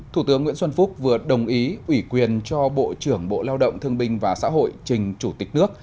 thủ tướng nguyễn xuân phúc vừa đồng ý ủy quyền cho bộ trưởng bộ lao động thương binh và xã hội trình chủ tịch nước